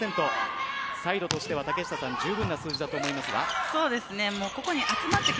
サイドとしては十分な数字だと思いますが。